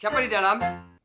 siapa di dalam